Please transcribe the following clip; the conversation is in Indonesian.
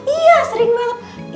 iya sering banget